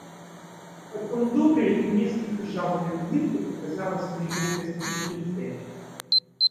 Потом добрая и несколько жалкая улыбка показалась на его красивом лице.